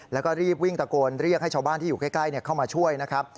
แล้วก็รีบวิ่งตะโกนเรียกให้ชาวบ้านที่อยู่ใกล้เข้ามาช่วยนะครับ